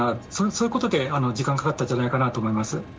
そういうところで時間がかかったんじゃないかなと思います。